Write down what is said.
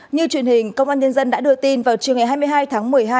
như truyền hình công an nhân dân đã đưa tin vào chiều ngày hai mươi hai tháng một mươi hai